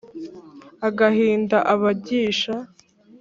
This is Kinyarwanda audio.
agahinda abagisha